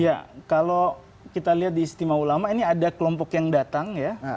ya kalau kita lihat di istimewa ulama ini ada kelompok yang datang ya